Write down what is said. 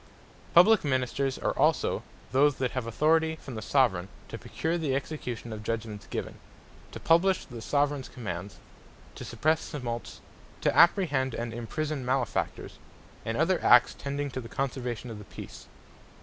For Execution Publique Ministers are also all those, that have Authority from the Soveraign, to procure the Execution of Judgements given; to publish the Soveraigns Commands; to suppresse Tumults; to apprehend, and imprison Malefactors; and other acts tending to the conservation of the Peace.